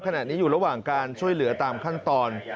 ขณะนี้อยู่ระหว่างการช่วยเหลือตามขั้นตอน